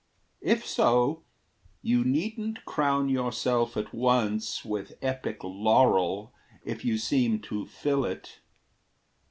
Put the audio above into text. If so, you needn't crown yourself at once With epic laurel if you seem to fill it.